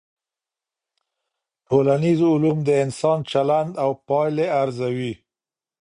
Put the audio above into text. ټولنيز علوم د انسان چلند او پايلي ارزوي.